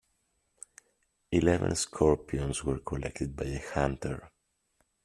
Eleven scorpions were collected by a hunter.